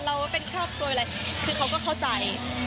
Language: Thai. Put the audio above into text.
เราเป็นครอบครัวอะไรคือเขาก็เข้าใจ